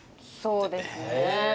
そうですね。